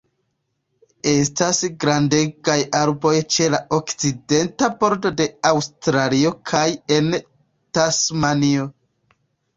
Estas grandegaj arboj ĉe la okcidenta bordo de Aŭstralio kaj en Tasmanio.